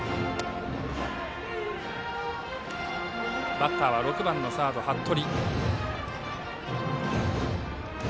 バッターは６番サード八鳥。